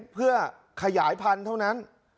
เพื่อขยายพันธุ์เท่านั้น